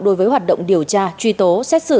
đối với hoạt động điều tra truy tố xét xử